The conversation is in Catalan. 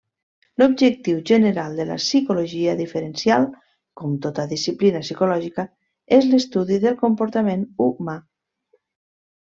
L'objectiu general de la Psicologia Diferencial, com tota disciplina psicològica, és l'estudi del comportament humà.